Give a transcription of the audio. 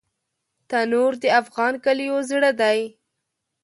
تنور د افغان کلیو زړه دی